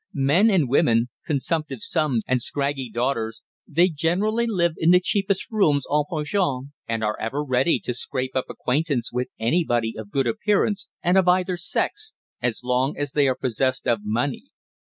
Men and women, consumptive sons and scraggy daughters, they generally live in the cheapest rooms en pension, and are ever ready to scrape up acquaintance with anybody of good appearance and of either sex, as long as they are possessed of money.